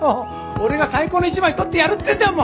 俺が最高の一枚撮ってやるってんだよ